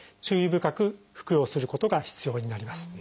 深く服用することが必要になります。